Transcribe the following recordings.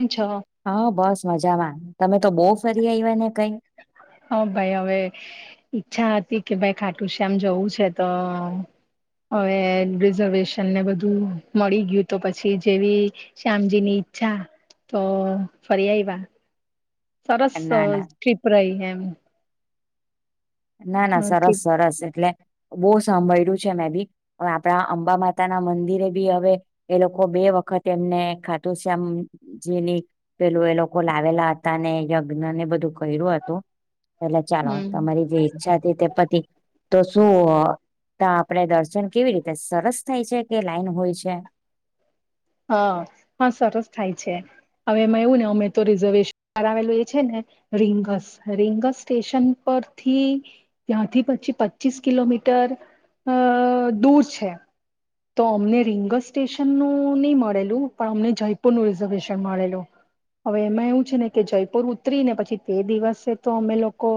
કેમ છો હા બસ મજામાં. તમે તો બહુ ફરી આવી્યા ને. કઈ હા ભાઈ હવે ઈચ્છા હતી કે ભાઈ ખાટુ શ્યામ જવું છે તો, હવે રિઝર્વેશનને બધું મળી ગયું તો પછી જેવી, શ્યામજીની ઈચ્છા, તો ફરી આવ્યા. ના સરસ ના છીપ રહી હૈ. હમ. ના ના સરસ સરસ એટલે બહુ સાંભળ્યું છે મેં બી, આપણા અંબા માતા ના મંદિરે બી હવે, એ લોકો બે વખત એમને ખાતુ શ્યામજીની પેલું એ લોકો લાવેલા હતા ને યજ્ઞ ને બધું કર્યું હતું. પેલા ચાલો હમ તમારી તે પતિ, તો શું આપણે દર્શન કેવી રીતે સરસ થાય છે કે લાઈન હોય છે? હા, હા સરસ થાય છે હવેમાં એવું ને અમે તો રિઝર્વેશન બ આવેલું એ છે ને રીંગસ રીંગસ સ્ટેશન પરથી, ત્યાંથી પછી પચીસ કિલોમીટર, અ દૂર છે. તો અમને રિંગ સ્ટેશનનું નહી મળેલું પણ અમને જયપુરનું રિઝર્વેશન મળેલું, હવે એમાં એવું છે ને કે જયપુર ઉતરી ને પછી તે દિવસે તો અમે લોકો,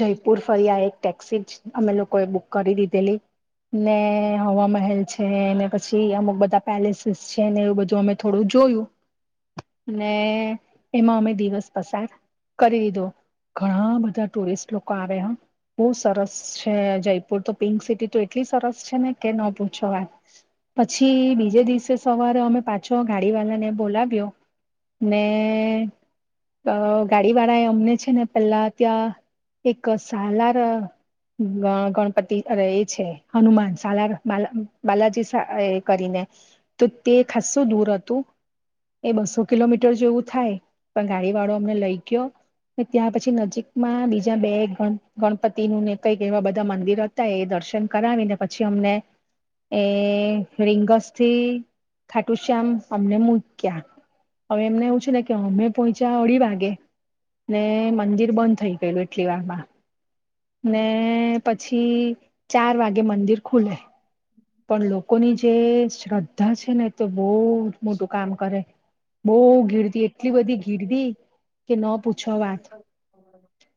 જયપુર ફરી આ એક ટેક્સી જ અમે લોકોએ બુક કરી દીધેલી, ને હવા મહેલ છે. પછી અમુક બધા પેલેસીસ છે ને એવું બધું અમે થોડું જોયું અને એમાં અમે દિવસ પસાર કરી દીધો ઘણા બધા ટુરિસ્ટ લોકો આવે હ બહ સરસ છે જયપુર તો પિંક સિટી તો એટલી સરસ છે ને કે ન પૂછો [inaudible] પછી બીજે દિવસે સવારે અમે પાછો ગાડી વાળા ને બોલાવ્યો, ને ગાડી વાળા એ અમને છે ને પેલા ત્યાં એક સાલાર ગણપતિ ર છે. હનુમાન સાલાાર બાલા બાલાજી સા એ કરીને તો તે ખસું દૂર હતું. એ બસો કિલોમીટર જેવું થાય. પણ ગાડી વાળો અમને લઈ ગયો ને ત્યાં પછી નજીકમાં બીજા બે ગણ ગણપતિ નું ને કંઈક એવા બધા મંદિર હતા એ દર્શન કરાવીને પછી અમને એ રિંગસ થી ખાટુ શ્યામ અમને મૂક્યા. હવે એમને એવું છે ને કે અમે પોય ચા ઢી વાગે ને મં મંદિર બંધ થઈ ગયેલું એટલી વાર માં. ને પછી ચાર વાગે મંદિર ખુલે. પણ લોકોની જે શ્રદ્ધા છે ને એ તો બહુ જ મોટું કામ કરે. બહ ગીરદી એટલી બધી ગીરદી કે ન પૂ છો વાત.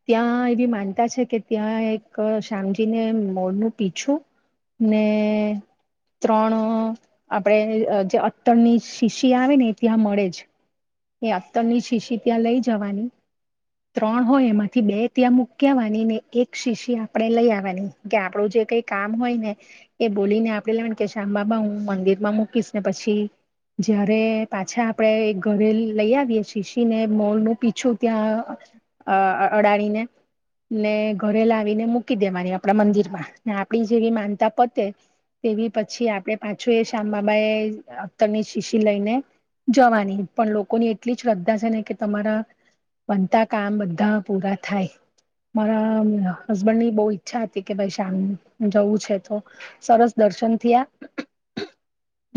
ત્યાં એ વી બી માનતા છે કે ત્યાં એક શામજીને મોર નું પીછું, ને ત્રણ આપણે જે અતરની શીશી આવે ને ઈ ત્યાં મળે જ એ અતરની શીશી ત્યાં લઈ જવાની, ત્રણ હોય એમાંથી બે ત્યાં મૂક્યા આવાની ને એક શીશી આપણે લઈ આવવાની, કે આપણું જે કઈ કામ હોય ને એ બોલીને આપણે લેવાની, કે શ્યામ બાબા હું મંદિર માં મૂકીશ ને પછી જયારે પાછા આપણે ઘરેલ લઈ આવીએ શીશ શીને મોર નું પીછું ત્યાં અહ અડાડીને, ને ઘરે લાવીને મૂકી દેવાની આપણા મંદિર માં. ને આપણી જેવી માનતા પતે તેવી પછી આપણે પાછું એ શ્યામ બાબા એ અતરની શીશી લઈને જવાની, પણ લોક લોકોની એટલી શ્રદ્ધા છે ને કે તમારા બનતા કામ બધા પૂરા થાય. મારા અહ હસબન્ડની બહુ ઈચ્છા હતી કે ભાઈ શામ જવું છે તો સરસ દર્શન થયા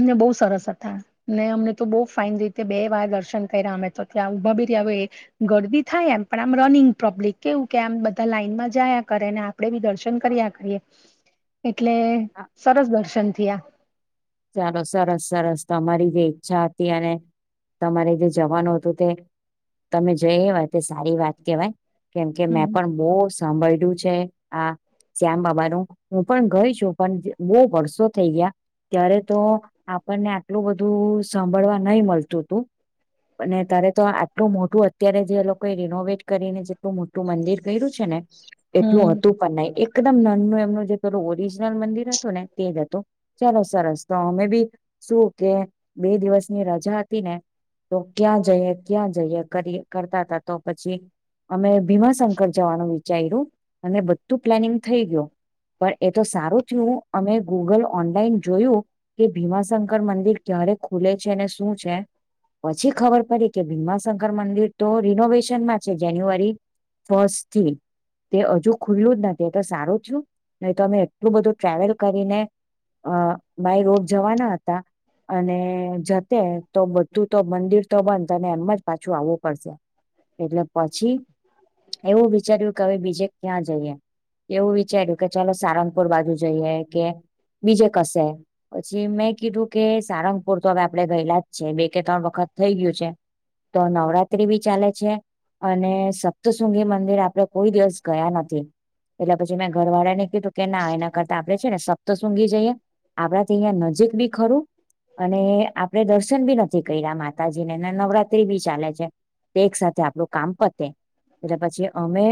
અને બહુ સરસ હતા, ને અમને તો બહું ફાઇન રીતે બે વાર દર્શ દર્શન કયરા અમે તો, ત્યાં ઉભા ભી રહ્યા હોય. ગરદી થાય એમ પણ આમ રનિંગ પ્રબ્લિક કેવું કે આમ બધા લાઈનમાં જ જાયા કરે અને આપણે બી દર્શ [unintelligible] કર્યા કરીએ. એટલે સરસ દર્શન ગ્યા. ચાલો સરસ-સરસ તમારી જે ઈચ્છા હતી અને તમારે જે જવાનું હતું તે તમે જઈ આવ્યા તે સારી વાત કહેવાય. કેમ કે હમ મેં પણ બહુ સાંભળ્યું છે. હા શ્યામ બાબા નું, હું પણ ગઈ છું પણ બહુ વર્ષો થઈ ગયા. ત્યારે તો આપણને આટલું બધું સાંભળવા નહી મળતું તું, અને ત્યારે તો આટલું મોટું અત્યારે જે લોકોએ રિનોવેટ કરીને જેટલું મોટું મંદિર કયરું છે ને એટલું હમ હતું પણ નહી. એક એકદમ નાનનું એમનું જે પેલું ઓરિજિનલ મંદિર હતું ને તે જ હતું. ચાલો સરસ તો અમે બી શું કે બે દિવસ ની રજા હતી ને તો ક્યાં જઈએ-ક્યાં જઈએ કરીએ કરતા તા તો પછી અમે ભીમાશંકર જાવાનું ચાયરું અને બધું પ્લાનિંગ થઈ ગયું, પણ એ તો સારું થયું અમે ગૂગલ ઓનલાઈન જોયું કે ભીમાશંકર મંદિર ક્યારે ખુલે છે ને શું છે, પછી ખબર પડી કે ભીમાશંકર મંદિર તો રિનોવેશનમાં છે જાન્યુઆરી ફસ્ટ થી, તે હજુ ખુયલું જ નથી તે તો સારું થયું નહી તો અમે એટલું બધું ટ્રાવેલ કરીને અહ બાય રોડ જવાના હતા, અને જતે તો બધું તો મંદિર તો બંધ અને એમ જ પાછું આવું પડશે એટલે પછી એવું વિચાર્યું કે હવે બીજે ક્યાં જઈએ, એવું વિચાર્યું કે ચાલો સારંગપુર બાજુ જઈએ કે. બીજે કસે પછી મેં કીધું કે સારંગ. પૂર તો હવે આપડે ગયેલા જ છે બે કે ત્રણ વખત થઈ ગયું છે તો નવરાત્રી બી ચાલે છે અને સપ્તશુંંગી મંદિર આપડે કોઈ દિવસ ગયા નથી એટલે પછી મેં ઘર વાળા ને કીધું કે ના એના કરતા આપડે છે ને સપ્ત. શુંંગી જઈ આપડા થી અહયા નજીક બી ખરું અને આપણે દર્શન બી નથી કર્યા મા. માતાજી ને નવરાત્રી બી ચાલે છે તે એક સાથે આપણું કામ પતે એટલે પછી અમે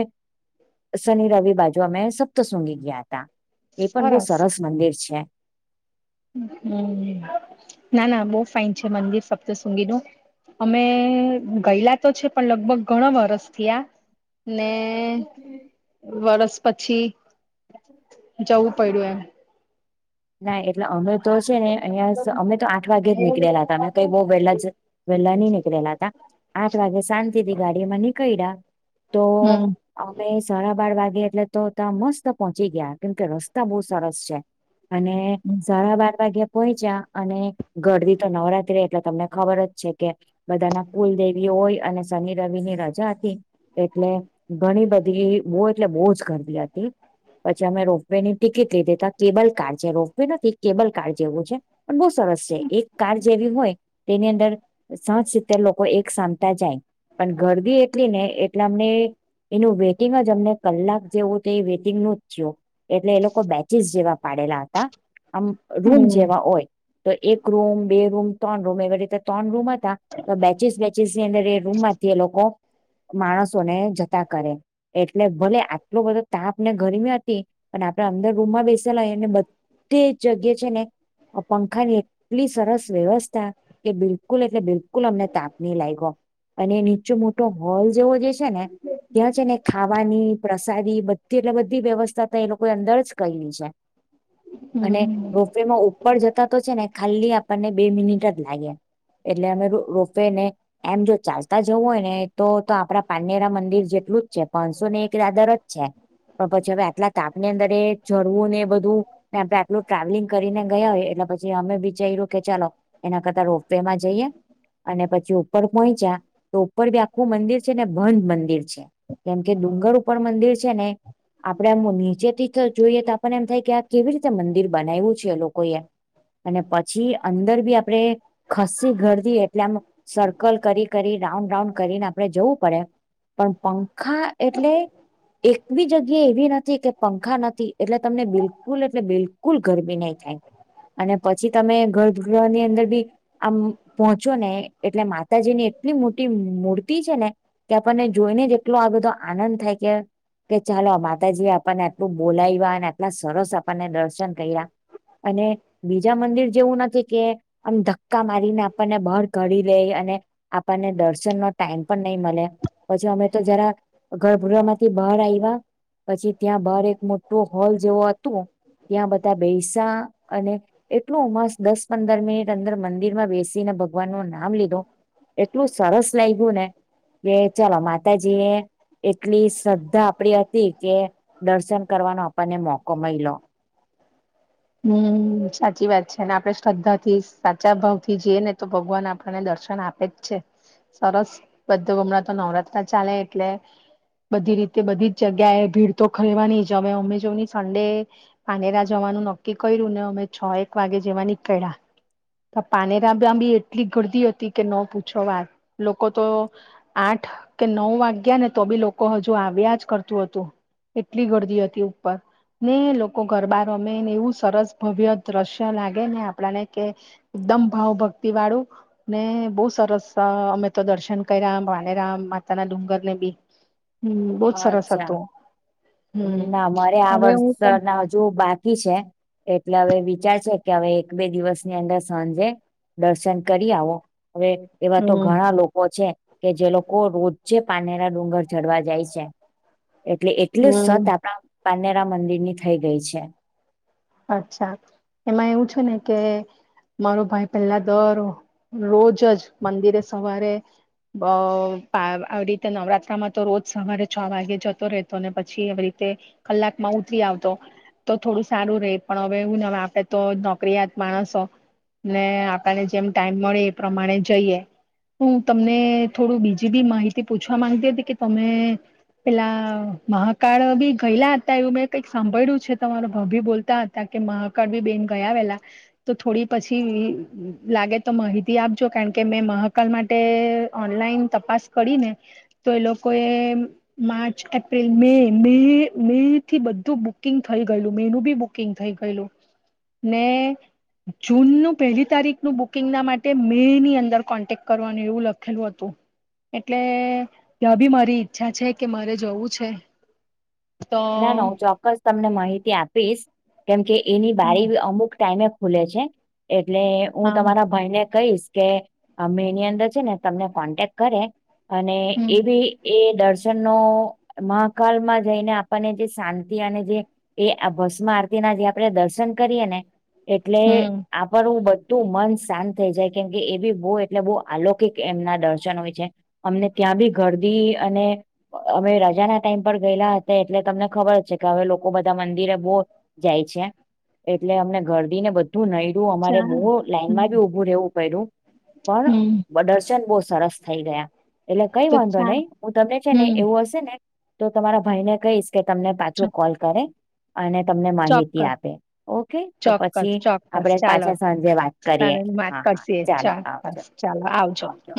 શનિ રવિ બાજુ અમે સપ્તસુંંગી ગયા હતા એ પણ બહુ સરસ. છે. હમ ના ના બહુ ફાઇન છે મંદિર સપ્તસુંંગીનું અમે ગયેલા તો છે પણ લગભગ ઘણા વરષથી આ. ને વરસ. પછી જવું પડ્યું એમ. ના એટ. એટલે અમે તો છે ને અહિયાં અમે તો આઠ વાગે જ એમ નીકળેલા હતા અમે કઈ બહ વહેલા જ વેલા નઈ નીકળેલા હતા આઠ વાગે શાંતિથી ગાડીમાં નીકળ્યા તો હમ અમે સાડા બાર વાગે. એટલે તો ત્યાં મસ્ત પહોંચી ગયા કેમ કે રસ્તા બહુ સરસ છે. અને સાડા બાર વાગ્યા. પહોંચ્યા અને ઘરદી તો નવરાત્રી એટલે તમને ખબર જ છે કે બધા ના કુલદેવી હોય અને શનિ રવિ ની રજા હતી એટલે ઘણી બધી બહ એટલે બહુ જ ઘરદી. રાત્રે પછી અમે રો. બેની ટિકિટ લીધી તો આ કેબલ. [inaudible] રોપવે નથી કેબલ કાર જેવું છે પણ બહુ સરસ છે એક કાર જેવી હોય તેની અંદર સાત સિત્તેર લોકો એક સામતા જાય પણ ગરબી એટલી ને એટલે અમને એનું વેટિંગ જ અમને કલાક જેવું તે એ વેટિંગ નું જ થયું એટલે એ લોકો બેચિસ જેવા. પાડેલા હતા. આમ રૂમ હમ જેવા હોય. તો એક રૂમ બે રૂમ ત્રણ રૂમ એવી રીતે ત્રણ રૂમ. તો બેચિસ બેચિસ ની અંદર એ રૂમમાંથી એ લોકો. માણસોને જતા કરે એટલે ભલે આટલો બધો તાપ ને ગરમી હતી પણ આપડે અંદર રૂમમાં બેસી. પંખાની એટલી સરસ વ્યવસ્થા કે બિલકુલ એટલે બિલકુલ અમને તાપ નઇ લાગ્યો અને નીચો મોટો હોલ્. લૌકોએ જે છે ને ત્યાં છે ને ખાવાની પ્રસાદી બધી એટલે બધી વ્યવસ્થા તો એ લોકોએ અંદર જ કઇની છે અને હમ રોપવેમાં ઉપર જતા તો છે ને ખાલી આપણને બે મિનિટ જ લાગે એટલે અમે રોપે ને એમ જો ચાલતા જવું હોય ને તો તો આપડા પાંનેરા મંદિર જેટલું જ છે પાંચસો ને એક દાદર જ છે પણ પછી હવે આટલા તાપ ની અંદર એ ચડવું ને બદુ આટલું ટ્રાવેલિંગ કરીને ગયા હોય એટલે પછી અમે વિચાર્યું કે ચાલો એના કરતા રોપવેમાં જઈએ અને પછી ઉપર પહોંચ્યા તો ઉપર બી આખું મંદિર છે ને બંધ મંદિર છે કેમ કે ડુંગર ઉપર મંદિર છે ને આપડે એમ નીચે થી જોઈએ તો આપને એમ થાય કે કેવી રીતે મંદિર બનાવ્યું છે લોકોએ અને પછી અંદર બી આપડે ખાસી ઘરદી એટલામા સર્કલ કરી કરી રાઉન્ડ રાઉન્ડ કરીને આપણે જવું પડે પણ પંખા એટલે એક બી જગ્યા એવી નથી કે પંખા નથી એટલે તમને બિલકલ બિલકુલ એટલે બિલકુલ ગરમી નહી થાય અને પછી તમે ગર્ભગ્રહ ની અંદર બી આમ પહોંચો ને એટલે માતાજીની એટલી મોટી મૂર્તિ છે ને કે આપણને જોઈને જ એટલો આ બધો આનંદ થાય કે કે ચાલો માતાજી આપણને એટલું બોલાવવા અને આટલા સરસ અને દર્શન કર્યા અને બીજા મંદિર જેવું નથી કે આમ ધક્કા મારીને આપણને બહાર કદી લે અને આપણને દર્શન નો ટાઈમ પણ નહી મળે પછી અમે તો જરા ગરભૂરા માંથી બહાર આવ્યા પછી ત્યાં બહાર એક મોટું હોલ જેવો હતું ત્યાં બધા બેૈસા અને એટલું મસ્ત દસ પંદર મિનિટ અંદર મંદિરમાં બેસીને ભગવાન નું નામ લીધું એટલું સરસ લાગ્યું ને કે ચાલો માતાજી એ એટલી શ્રદ્ધા આપડી હતી કે દર્શન કરવાનો આપણને મોકો માઈલો હમ સાચી વાત છે અને આપડે શ્રદ્ધા થી સાચા ભાવ થી જઈએ ને તો ભગવાન આપણને દર્શન આપે જ છે સરસ બધા હમણાં તો નવરાત્ર ચાલે એટલે બધી રીતે બધી જ જગ્યાએ ભીડ તો ખલવાની જમે અમે જોવ હી સંડે પાનેરા જવાનું ન કે કર્યું ને અમે છ એક વાગે જેવા નીકળ્યા પાનેરાબા બી એટલી ગરદી હતી કે ન પૂછો વાત લોકો તો આઠ કે નવ વાગ્યા ને તો બી લોકો હજુ આવ્યા જ કરતું હતુ, એટલી ગરદી હતી ઉપર ને લોકો ઘરબા રમેને એવું સરસ ભવ્ય દ્રશ્ય લાગે ને આપણાને કે. એકદમ ભાવ ભક્તિ વાળું ને બઉ સરસ અમે તો દર્શન કર્યામ વાણેરા માતાના ડુંગર ને બી. હમ બહુત સરસ અચ્છા હતો. ના મારે આ વર્ષ ના હજુ બાકી છે. એટલે હવે વિચાર છે કે હવે એક બે દિવસની અંદર સાંજે દર્શન કરી આવો. હવે એવા તો હમ ઘણા લોકો છે. કે જે લોકો રોજે પાનેરા ડુંગર ચડવા જાય છે એટલે. એટલું સત હમ આપ પાનેરા મંદિરની થઈ ગઈ છે. અચ્છા એમાં એવું છે ને કે મારો ભાઈ પેલા દર રોજ જ મંદિરે સવારે અ આવી રીતે નવરાત્રમાં તો રોજ સવારે છ વાગે જતો રહેતો, ને પછી આવી રીતે કલાકમાં ઉતરી આવતો તો થોડું સારું રહે. પણ હવે એને આપડે તો નોકરીયાત માણસો ને આપણને જેમ ટાઈમ મળે એ પ્રમાણે જઈએ, હું તમને થોડું બીજી બી માહિતી પૂછવા માંગતી હતી કે તમે પેલા મહાકાળ બી ગયેલા હતા એવું મેં કઈક સાંભળ્યું છે તમારો ભાવ ભી બોલતા હત ત કે મહાકાળ બી બેન ગયા વેલા તો થોડી પછી લાગે તો માહિતી આપજો કારણ કે મેં મહાકાલ માટે ઓનલાઈન તપાસ કરી ને તો એ લોકો એ મા એપ્રિલ મે બે મે થી બધું બુકિંગ થઈ ગયેલું મેનું બી બુક બુકિંગ થઈ ગયેલું ને જૂનનું પહેલી તારીખનું બુકિંગના માટે મે ની અંદર કોન્ટેક કરવાનું એવું લખેલું હતું, એટલે તાબી મારી ઈચ્છા છે કે મારે જવું છે. તો ના ના હું ચોક્કસ તમને માહિતી આપ પીશ કેમ કે. એની બારી અમુક ટાઈમે ખુલે છે એટ એટલે હું હા તમારા ભાઈ ને કહીશ. કે અમે એની અંદર છે ને તમને કોન્ટેક્ટ કરે. અને હમ એ બી એ દર્શન નો મહાકાલ માં જઈને આ આપને જે શાંતિ અને જે એ ભસ્મ આરતી ના જે આપણે દર્શન કરીય ને. એટલે હમ આ હું બધ તું મન શાંત થઈ જાય કેમકે એ બી બહુ એટલે બઉ આલોકિક એમના દર્શન હોય છે, અમને ત્યાં બી ઘરદી અને અમે રજાના ટાઈમ પર ગયેલા. એટલે તમને ખબર છે કે હવે લોકો બધા મંદિરે બહુ જાય છે એટલે અમને ઘરદી ને બધું નહીર્યું અમારે ચા બહુ હમ લાઈનમાં બી ઊભું રહેવું પડ્યું પણ હમ બદરશન બહુ સરસ. થઈ ગયા. એટલે કઈ તો વાંધો ચા નહી હું તમને છે ને હમ એવું હશે ને. તો તમારા ભાઈ ને. કઈશ. કે તમને પાછું કોલ કરે. અને તમને માહિતી ચોક્કસ આપે ઓકે તો ચોક્કસ પછી ચોક્કસ આપડે ચાલો પાછા તો સાંજે વાત કરીએ વાત હા હા કરશે ચાલો આવજો ચોક્કસ ચાલો આવજો.